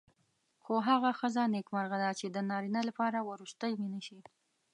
خو هغه ښځه نېکمرغه ده چې د نارینه لپاره وروستۍ مینه شي.